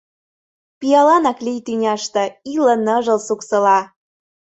Пиаланак лий тӱняште, Иле ныжыл суксыла.